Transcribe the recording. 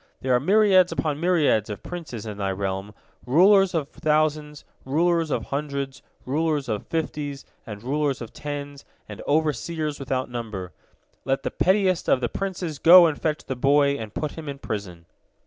There are myriads upon myriads of princes in thy realm, rulers of thousands, rulers of hundreds, rulers of fifties, and rulers of tens, and overseers without number. Let the pettiest of the princes go and fetch the boy and put him in prison."